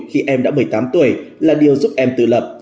khi em đã một mươi tám tuổi là điều giúp em tự lập